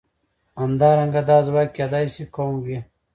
همدارنګه دا ځواک کېدای شي قوم وي.